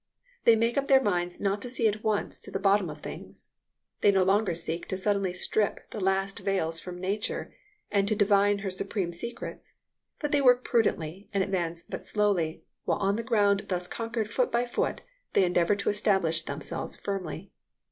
They make up their minds not to see at once to the bottom of things; they no longer seek to suddenly strip the last veils from nature, and to divine her supreme secrets; but they work prudently and advance but slowly, while on the ground thus conquered foot by foot they endeavour to establish themselves firmly.